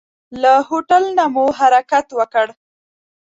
له هوټل نه مو حرکت وکړ.